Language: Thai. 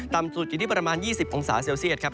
ต่ำสุดอยู่ที่ประมาณ๒๐องศาเซลเซียตครับ